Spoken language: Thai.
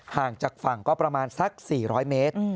ห่างจากฝั่งก็ประมาณสัก๔๐๐เมตร